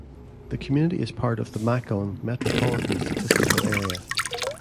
The community is part of the Macon Metropolitan Statistical Area.